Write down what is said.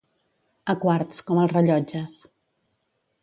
A quarts, com els rellotges.